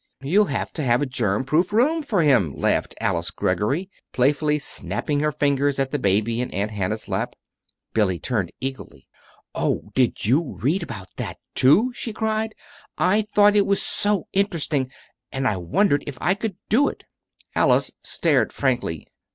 "You'll have to have a germ proof room for him," laughed Alice Greggory, playfully snapping her fingers at the baby in Aunt Hannah's lap. Billy turned eagerly. "Oh, did you read about that, too?" she cried. "I thought it was so interesting, and I wondered if I could do it." Alice stared frankly.